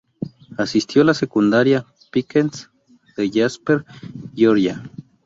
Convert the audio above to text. Asistió a la Secundaria Pickens de Jasper, Georgia.